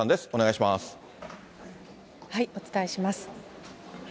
お伝えします。